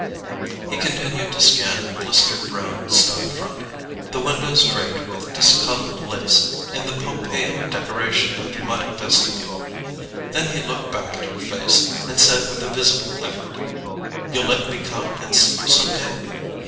He continued to scan the blistered brown stone front, the windows draped with discoloured lace, and the Pompeian decoration of the muddy vestibule; then he looked back at her face and said with a visible effort: "You'll let me come and see you some day?"